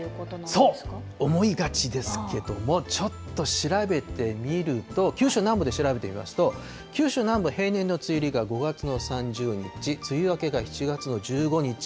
そう思いがちですけれども、ちょっと調べてみると、九州南部で調べてみますと、九州南部は平年の梅雨入りが５月の３０日、梅雨明けが７月の１５日。